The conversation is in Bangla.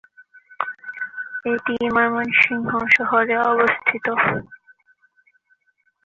এটি ময়মনসিংহ শহরে অবস্থিত।